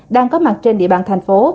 đang có mặt trên địa bàn tp